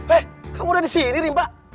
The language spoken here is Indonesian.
he kamu udah disini rimba